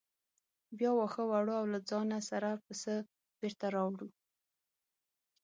بیا واښه وړو او له ځانه سره پسه بېرته راوړو.